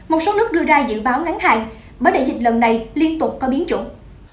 một số nước đưa ra dự báo ngắn hạn bởi đại dịch lần này liên tục có biến chủng